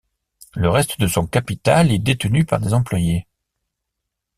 Le reste de son capital est détenu par des employés.